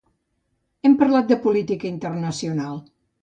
Hem parlat de política internacional.